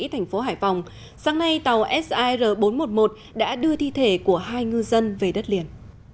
thành phố hải phòng sáng nay tàu sir bốn trăm một mươi một đã đưa thi thể của hai ngư dân về đất liền